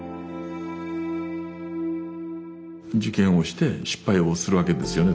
受験をして失敗をするわけですよね